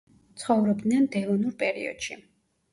ცხოვრობდნენ დევონურ პერიოდში.